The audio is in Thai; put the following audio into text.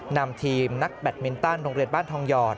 นำทีมนักแบตมินตันโรงเรียนบ้านทองหยอด